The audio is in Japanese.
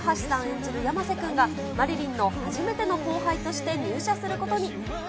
演じる山瀬君が、麻理鈴の初めての後輩として入社することに。